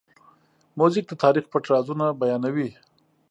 موزیک د تاریخ پټ رازونه بیانوي.